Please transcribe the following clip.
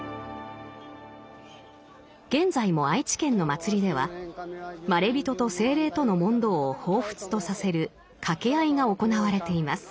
現在も愛知県の祭りではまれびとと精霊との問答を彷彿とさせる掛け合いが行われています。